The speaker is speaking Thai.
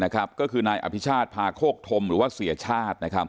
ก็คือนายอภิชาติพาโคกธมหรือว่าเสียชาติ